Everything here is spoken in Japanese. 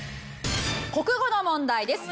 国語の問題です。